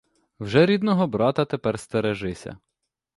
Вже рідного брата тепер стережися.